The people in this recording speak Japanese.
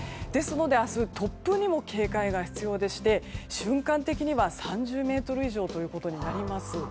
明日、突風にも警戒が必要でして瞬間的には３０メートル以上となります。